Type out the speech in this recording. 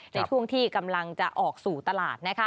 ในช่วงที่กำลังจะออกสู่ตลาดนะคะ